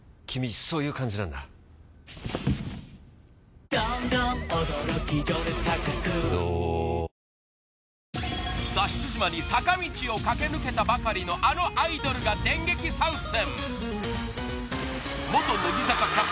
しかしここでいや脱出島に坂道を駆け抜けたばかりのあのアイドルが電撃参戦